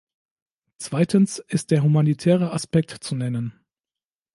Zweitens ist der humanitäre Aspekt zu nennen.